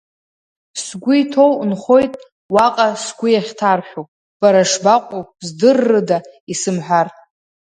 Сгәы иҭоу нхоит уаҟа сгәы иахьҭаршәу, бара шбакәу здыррыда, исымҳәар.